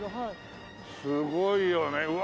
すごいよねうわ